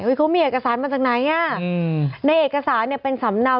เขามีเอกสารมาจากไหนอ่ะอืมในเอกสารเนี่ยเป็นสำเนา